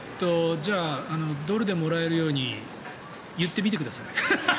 ドルでもらえるように言ってみてください。